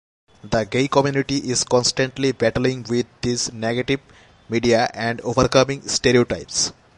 The gay community is constantly battling with this negative media and overcoming stereotypes.